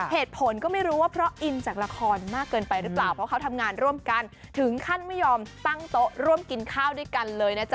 เหตุผลก็ไม่รู้ว่าเพราะอินจากละครมากเกินไปหรือเปล่าเพราะเขาทำงานร่วมกันถึงขั้นไม่ยอมตั้งโต๊ะร่วมกินข้าวด้วยกันเลยนะจ๊